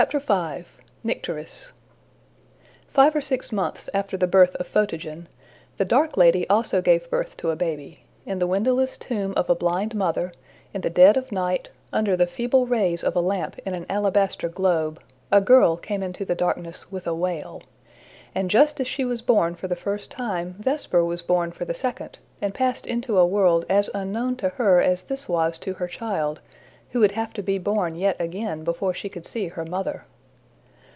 V. Nycteris FIVE or six months after the birth of Photogen, the dark lady also gave birth to a baby: in the windowless tomb of a blind mother, in the dead of night, under the feeble rays of a lamp in an alabaster globe, a girl came into the darkness with a wail. And just as she was born for the first time, Vesper was born for the second, and passed into a world as unknown to her as this was to her child who would have to be born yet again before she could see her mother.